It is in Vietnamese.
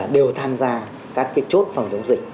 đều tham gia các chốt phòng chống dịch